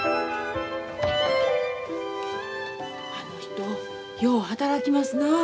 あの人よう働きますなあ。